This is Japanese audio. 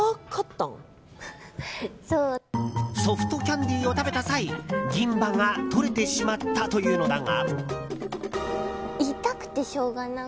ソフトキャンディーを食べた際銀歯が取れてしまったというのだが。